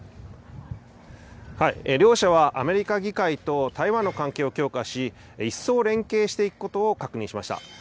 両者は、アメリカ議会と台湾の関係を強化し、一層連携していくことを確認しました。